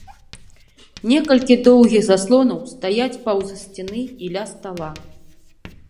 Некалькі доўгіх заслонаў стаяць паўз сцены і ля стала.